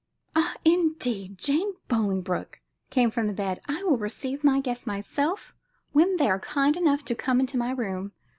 "Ah, indeed! Jane Bolingbroke," came from the bed. "I will receive my guests myself when they are kind enough to come to my room."